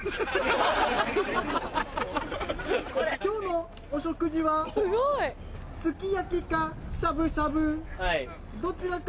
今日のお食事はすき焼きかしゃぶしゃぶどちらか。